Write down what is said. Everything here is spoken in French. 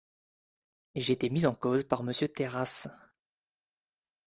J’ai été mis en cause par Monsieur Terrasse.